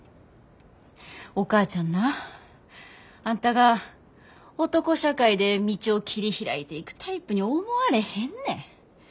お母ちゃんなあんたが男社会で道を切り開いていくタイプに思われへんねん。